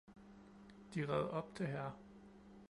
De red op til hr